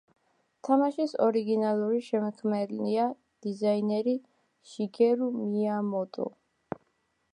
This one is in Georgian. თამაშის ორიგინალური შემქმნელია დიზაინერი შიგერუ მიამოტო.